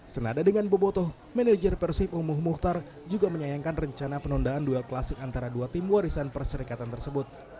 senada dengan boboto manajer persib umuh muhtar juga menyayangkan rencana penundaan duel klasik antara dua tim warisan perserikatan tersebut